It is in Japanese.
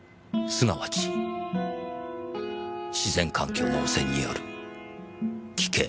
すなわち自然環境の汚染による奇形。